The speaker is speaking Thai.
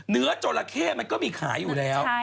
เนื้อโจรเผ่มันก็มีขายอยู่แล้ว